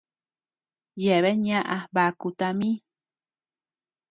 Yeabean ñaʼa baku tami.